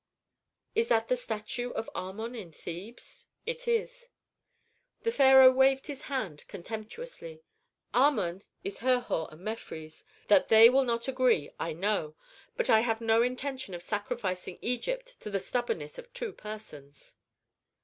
"Is that the statue of Amon in Thebes?" "It is." The pharaoh waved his hand contemptuously, "Amon is Herhor and Mefres. That they will not agree I know; but I have no intention of sacrificing Egypt to the stubbornness of two persons."